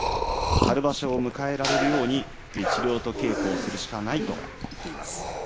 春場所を迎えられるように治療、稽古するしかないと言っています。